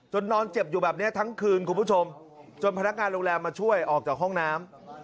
นอนเจ็บอยู่แบบนี้ทั้งคืนคุณผู้ชมจนพนักงานโรงแรมมาช่วยออกจากห้องน้ำ